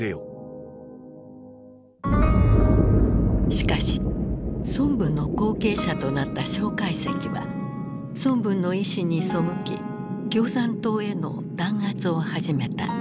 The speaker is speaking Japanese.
しかし孫文の後継者となった介石は孫文の遺志に背き共産党への弾圧を始めた。